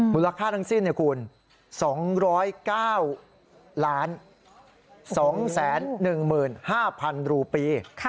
มูลค่าทั้งสิ้นคุณ๒๐๙๒๑๕๐๐๐รูปี